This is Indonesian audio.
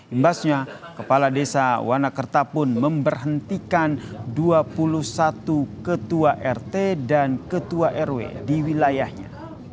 imbasnya kepala desa wanakerta pun memberhentikan dua puluh satu ketua rt dan ketua rw di wilayahnya